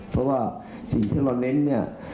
เพราะว่าสิ่งที่เราเน้นเนี่ย